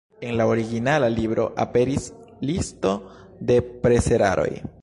En la originala libro aperis listo de preseraroj.